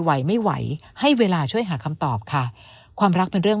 ไหวไม่ไหวให้เวลาช่วยหาคำตอบค่ะความรักเป็นเรื่อง